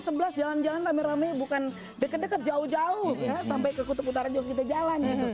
sebelah jalan jalan rame rame bukan deket deket jauh jauh ya sampai ke kutub utara juga kita jalan